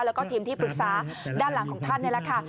แล้วก็ทีมที่ปรึกษาด้านหลังของท่านนี่แหละค่ะ